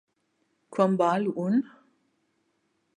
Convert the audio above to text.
Quant val un??